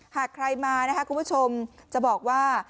หากใครมานะคะคุณผู้ชมจะบอกว่า